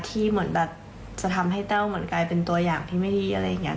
เหมือนแบบจะทำให้แต้วเหมือนกลายเป็นตัวอย่างที่ไม่ดีอะไรอย่างนี้